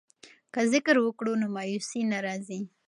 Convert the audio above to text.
که ذکر وکړو نو مایوسي نه راځي.